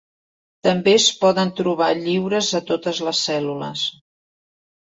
També es poden trobar lliures a totes les cèl·lules.